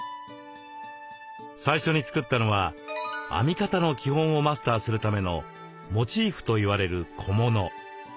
最初に作ったのは編み方の基本をマスターするためのモチーフといわれる小物。